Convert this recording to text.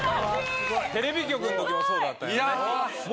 「テレビ局」の時もそうだったよね。